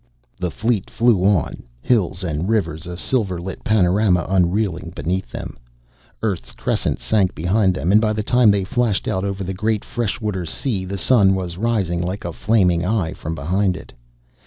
The fleet flew on, hills and rivers a silver lit panorama unreeling beneath them. Earth's crescent sank behind them, and by the time they flashed out over the great fresh water sea, the sun was rising like a flaming eye from behind it.